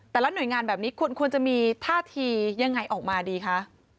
แต่ละหน่วยงานแบบนี้ควรจะมีท่าทียังไงออกมาดีคะ